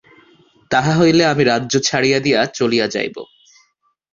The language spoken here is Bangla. তাহা হইলে আমি রাজ্য ছাড়িয়া দিয়া চলিয়া যাইব।